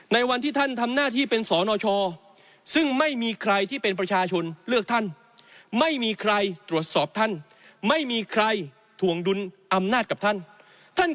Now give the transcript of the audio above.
ในวันที่ท่านทำหน้าที่เป็นสนชซึ่งไม่มีใครที่เป็นประชาชนเลือกท่าน